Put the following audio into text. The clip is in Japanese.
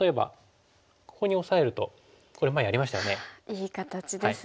いい形ですね。